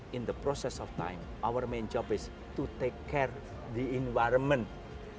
dalam proses waktu tugas utama kami adalah menjaga alam sekitar